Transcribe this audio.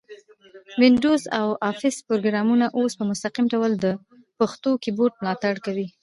وینډوز او افس پروګرامونه اوس په مستقیم ډول د پښتو کیبورډ ملاتړ کوي.